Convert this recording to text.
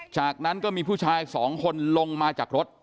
จากนั้นก็มีผู้ชายสองคนลงมาจากรถ